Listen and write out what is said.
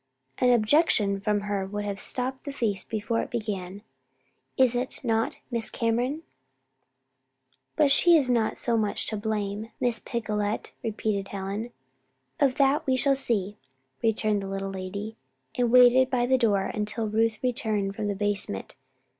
"An objection from her would have stopped the feast before it began is it not, Miss Cameron?" "But she is not so much to blame, Miss Picolet," repeated Helen. "Of that we shall see," returned the little lady, and waited by the door until Ruth returned from the basement.